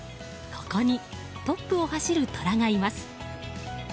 ここにトップを走る虎がいます。